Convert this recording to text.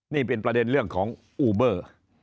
นี่เป็นประเด็นเรื่องของอูเบอร์